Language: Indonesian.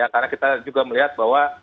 karena kita juga melihat bahwa